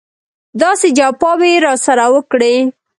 داسې جفاوې یې راسره وکړې.